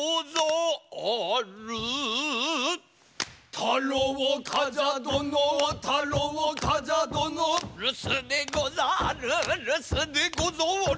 「太郎冠者殿は太郎冠者殿」「留守でござる留守でござる」